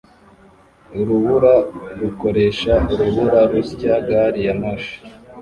Urubura rukoresha urubura rusya gari ya moshi